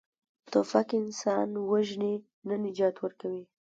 توپک انسان وژني، نه نجات ورکوي.